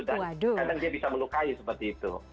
dan kadang kadang dia bisa melukai seperti itu